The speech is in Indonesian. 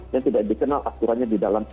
dan tidak dikenal aturannya di dalam